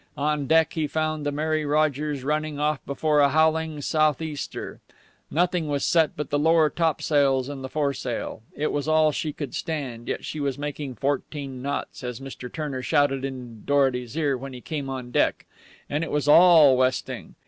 On deck he found the Mary Rogers running off before a howling southeaster. Nothing was set but the lower topsails and the foresail. It was all she could stand, yet she was making fourteen knots, as Mr. Turner shouted in Dorety's ear when he came on deck. And it was all westing.